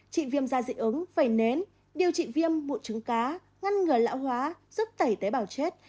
trị viêm da dị ứng vẩy nến điều trị viêm bụn trứng cá ngăn ngừa lão hóa giúp tẩy tế bào chết